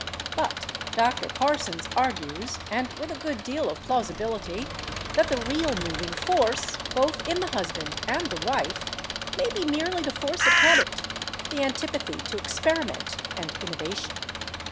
But Dr. Parsons argues, and with a good deal of plausibility, that the real moving force, both in the husband and the wife, may be merely the force of habit, the antipathy to experiment and innovation.